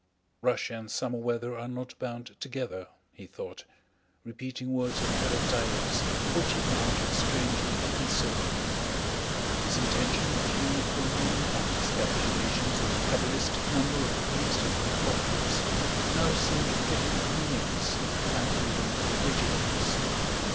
"Russia and summer weather are not bound together," he thought, repeating words of Karatáev's which he found strangely consoling. His intention of killing Napoleon and his calculations of the cabalistic number of the beast of the Apocalypse now seemed to him meaningless and even ridiculous.